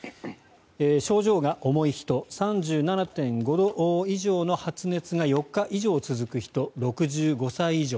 症状が重い人３７．５度以上の発熱が４日以上続く人６５歳以上